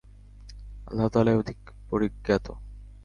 আল্লাহ্ তাআলাই অধিক পরিজ্ঞাত।